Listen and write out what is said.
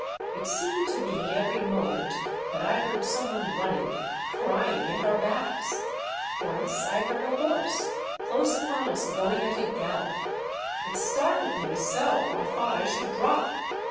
It seemed to me every moment that I heard some one running, crying, at our backs ; once I heard a horse, close upon us, going at a gallop. It startled me so I thought I should drop.